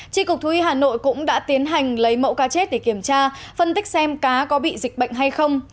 tri cục thú y hà nội cũng đã tiến hành lấy mẫu cá chết để kiểm tra phân tích xem cá có bị dịch bệnh hay không